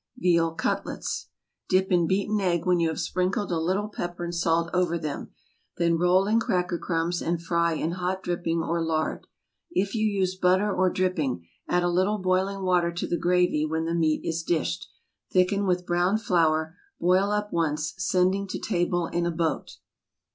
VEAL CUTLETS. Dip in beaten egg when you have sprinkled a little pepper and salt over them; then roll in cracker crumbs, and fry in hot dripping or lard. If you use butter or dripping, add a little boiling water to the gravy when the meat is dished; thicken with browned flour, boil up once, sending to table in a boat.